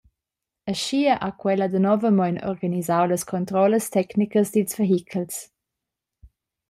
Aschia ha quella danovamein organisau las controllas tecnicas dils vehichels.